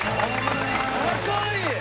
すごい！